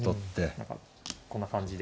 何かこんな感じで。